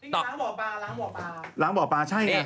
ล้างบ่อปลาล้างบ่อปลาล้างบ่อปลาใช่ไง